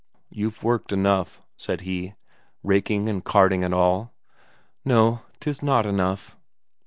"You've worked enough," said he, "raking and carting and all." "No, 'tis not enough."